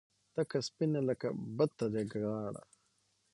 تکه سپینه لکه بته جګه غاړه